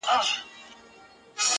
له څه مودې راهيسي داسـي يـمـه.